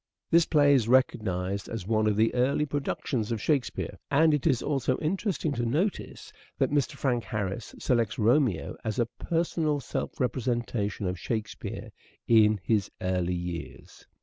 This play is recognized as one of the early productions of Shakespeare, and it is also interesting to notice that Mr. Frank Harris selects Romeo as a personal self representation of Shakespeare in his early years.